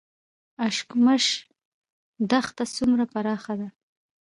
اشکمش دښته څومره پراخه ده؟